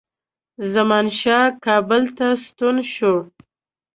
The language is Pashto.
زمانشاه کابل ته ستون شو.